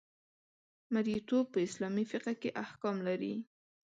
مرییتوب په اسلامي فقه کې احکام لري.